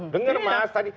dengar mas tadi